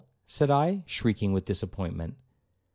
said I, shrinking with disappointment.